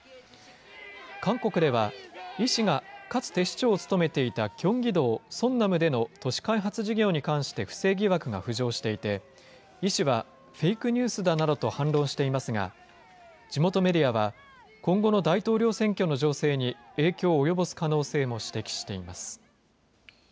韓国では、イ氏がかつて市長を務めていたキョンギ道ソンナムでの都市開発事業に関して不正疑惑が浮上していて、医師は、フェイクニュースだなどと反論していますが、地元メディアは、今後の大統領選挙の情勢に影響を及ぼす可能性も指摘しています。